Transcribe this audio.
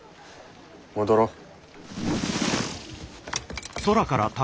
戻ろう。